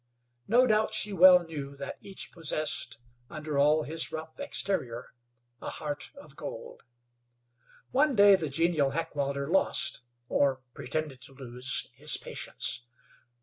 No doubt she well knew that each possessed, under all his rough exterior, a heart of gold. One day the genial Heckewelder lost, or pretended to lose, his patience.